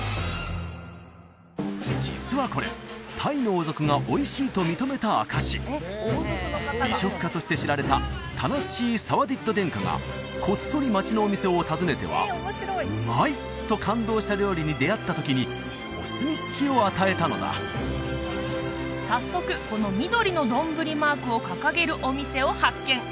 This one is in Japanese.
実はこれタイの王族がおいしいと認めた証し美食家として知られたタナッシー・サワディット殿下がこっそり街のお店を訪ねては「うまい！」と感動した料理に出会った時にお墨付きを与えたのだ早速この緑の丼マークを掲げるお店を発見